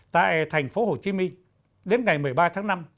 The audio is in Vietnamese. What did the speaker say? tại thành phố hồ chí minh đến ngày một mươi ba tháng năm